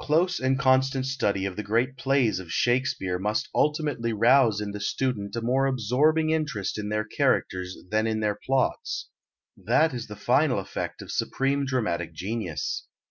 Close and constant study of the great plays of Shakespeare must ultimately rouse in the student a more absorbing interest in their characters than in their plots. That is the final effect of supreme dramatic genius.